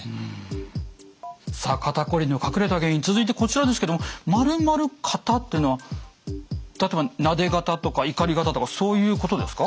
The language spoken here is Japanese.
さあ肩こりの隠れた原因続いてこちらですけども「○○肩」っていうのは例えばなで肩とかいかり肩とかそういうことですか？